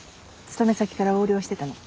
勤め先から横領してたの。